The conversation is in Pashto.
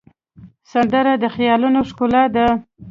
سندره د خیالونو ښکلا ده